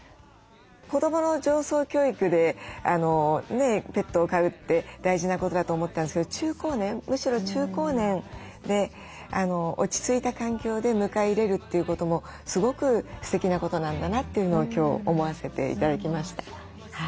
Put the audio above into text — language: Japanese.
子どもの情操教育でペットを飼うって大事なことだと思ったんですけど中高年むしろ中高年で落ち着いた環境で迎え入れるということもすごくすてきなことなんだなというのを今日思わせて頂きました。